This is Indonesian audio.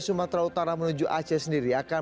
sumatera utara menuju aceh sendiri akan